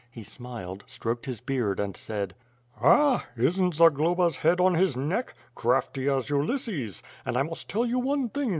He smiled, stroked his beard and said: "Ah! Isn't Zagloba's head on his neck? Crafty as Ulysses! And I must tell you one thing.